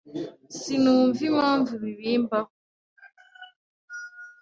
Sinumva impamvu ibi bimbaho.